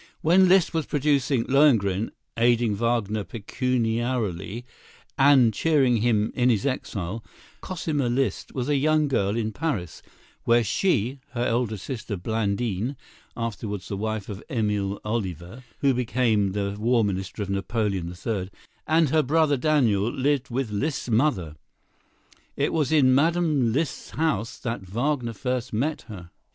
When Liszt was producing "Lohengrin," aiding Wagner pecuniarily, and cheering him in his exile, Cosima Liszt was a young girl in Paris, where she, her elder sister Blandine (afterward the wife of Emile Ollivier, who became the war minister of Napoleon the Third) and her brother Daniel lived with Liszt's mother. It was in Mme. Liszt's house that Wagner first met her.